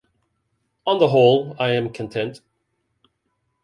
On the whole, I am content.